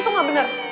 itu ga bener